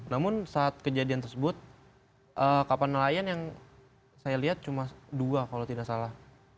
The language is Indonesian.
namun saat kejadian tersebut kapal nelayan yang saya lihat cuma dua kalau tidak salah